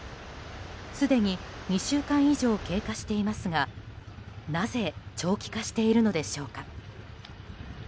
すでに２週間以上経過していますがなぜ長期化しているのでしょうか。